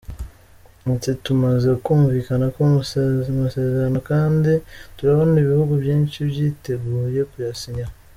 Ati “Tumaze kumvikana ku masezerano kandi turabona ibihugu byinshi byiteguye kuyasinya.